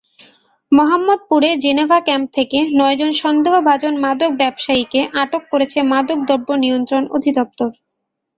মোহাম্মদপুরে Geneva camp থেকে নয়জন সন্দেহভাজন মাদক ব্যবসায়ীকে আটক করেছে মাদকদ্রব্য নিয়ন্ত্রণ অধিদপ্তর।